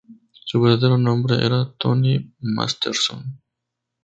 Su verdadero nombre era Tony Masterson.